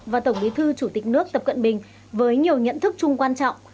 và tổng bí thư chủ tịch nước tập cận bình với nhiều nhận thức chung quan trọng